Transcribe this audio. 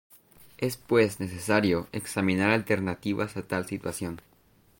Es pues necesario examinar alternativas a tal situación.